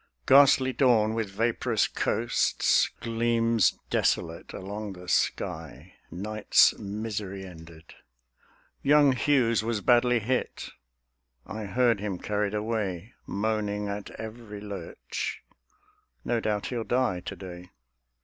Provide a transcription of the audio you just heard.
Ghastly dawn with vaporous coasts Gleams desolate along the sky, night's misery ended. Young Hughes was badly hit; I heard him carried away, Moaning at every lurch; no doubt he'll die to day.